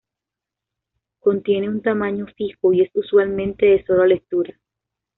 Contiene un tamaño fijo y es usualmente de solo-lectura.